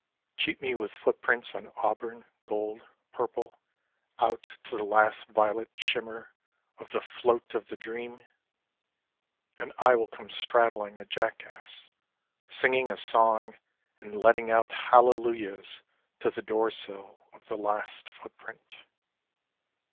Cheat me with footprints on auburn, gold, purple Out to the last violet shimmer of the float Of the dream — and I will come straddling a jackass, Singing a song and letting out hallelujahs To the door sill of the last footprint."